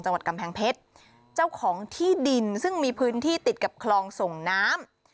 จังหวัดกำแพงเพชรเจ้าของที่ดินซึ่งมีพื้นที่ติดกับคลองส่งน้ำ